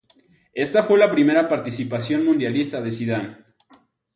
Esta fue la primera participación mundialista de Zidane.